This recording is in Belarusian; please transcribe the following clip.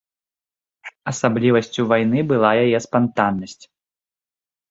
Асаблівасцю вайны была яе спантаннасць.